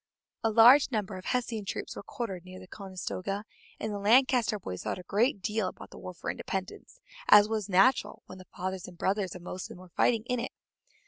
A large number of Hessian troops were quartered near the Conestoga, and the Lancaster boys thought a great deal about the War for Independence, as was natural when the fathers and brothers of most of them were fighting in it.